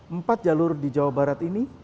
empat jalur di jawa barat ini